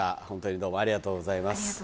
ホントにどうもありがとうございます。